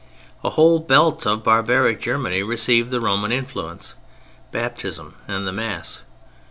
A whole belt of barbaric Germany received the Roman influence—Baptism and the Mass.